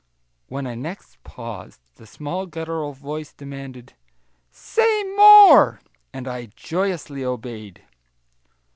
When next I paused the small guttural voice demanded, "Say more," and I joyously obeyed.